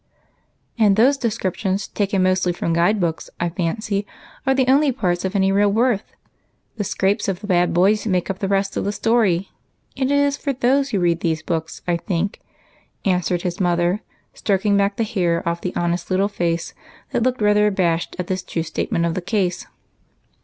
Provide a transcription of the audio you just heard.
"And those descriptions, taken mostly from guide books, I fancy, are the only parts of any real worth. The scrapes of the bad boys make up the rest of the story, and it is for those you read these books, I think," answered his mother, stroking back the hair off the honest little face that looked rather abashed at this true statement of the case.